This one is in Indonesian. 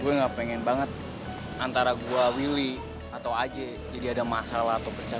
gua ga pengen banget antara gua willy atau aje jadi ada masalah atau percaya